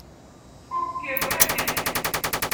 kokki eb õõ mettsez